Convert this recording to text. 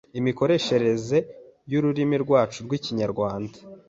imikoreshereze y’ururimi rwacu rw’Ikinyarwanda